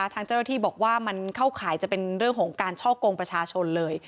ทางเจ้าหน้าที่บอกว่ามันเข้าข่ายจะเป็นเรื่องของการช่อกงประชาชนเลย